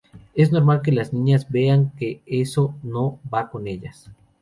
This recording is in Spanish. es normal que las niñas vean que eso no va con ellas.